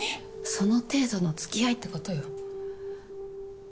その程度の付き合いってことよ。